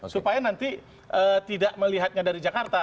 supaya nanti tidak melihatnya dari jakarta